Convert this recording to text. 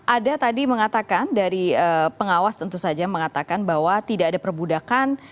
ada tadi mengatakan dari pengawas tentu saja mengatakan bahwa tidak ada perbudakan